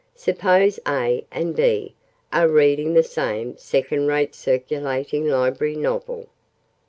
Suppose A and B are reading the same second rate circulating library novel.